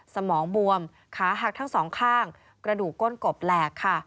สมองบวมขาหักทั้งสองข้างกระดูกก้นกบแหลกค่ะ